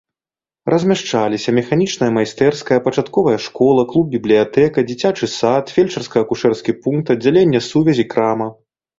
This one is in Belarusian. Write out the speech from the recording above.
Размяшчаліся механічная майстэрская, пачатковая школа, клуб, бібліятэка, дзіцячы сад, фельчарска-акушэрскі пункт, аддзяленне сувязі, крама.